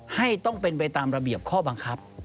ให้ต้องเป็นไปตามระเบียบข้อบังคับ